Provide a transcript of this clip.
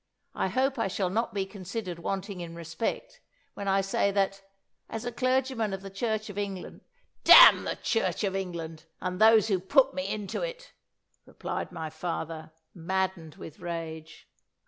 I hope I shall not be considered wanting in respect, when I say, that, as a clergyman of the Church of England " "Damn the Church of England, and those who put me into it!" replied my father, maddened with rage.